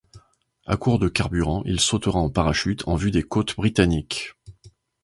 À court de carburant, il sautera en parachute en vue des côtes britanniques.